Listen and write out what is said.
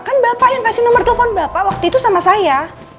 kan bapak yang kasih nomor telepon bapak waktu itu sama saya